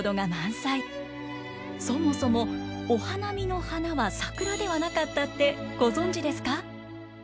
そもそもお花見の花は桜ではなかったってご存じですか？